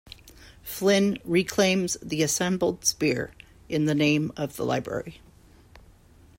Flynn reclaims the assembled spear in the name of the Library.